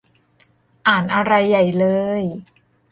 อ่านอะไรใหญ่เลย